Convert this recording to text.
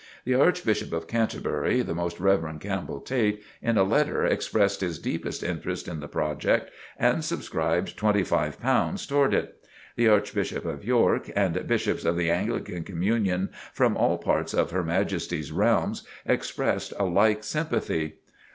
The Archbishop of Canterbury, the Most Rev. Campbell Tait, in a letter, expressed his deepest interest in the project and subscribed twenty five pounds toward it. The Archbishop of York, and Bishops of the Anglican Communion from all parts of Her Majesty's realms, expressed a like sympathy.